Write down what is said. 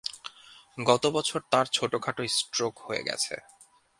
গত বছর তাঁর ছোটখাটো ক্টোক হয়ে গেছে।